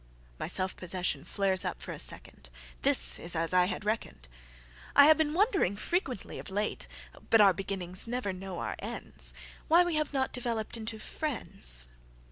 My self possession flares up for a second; This is as I had reckoned."I have been wondering frequently of late(But our beginnings never know our ends!)Why we have not developed into friends."